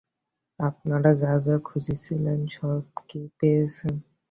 আপনারা যা যা খুঁজছিলেন, সব কি পেয়েছেন?